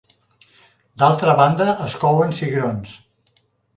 D'altra banda es couen cigrons.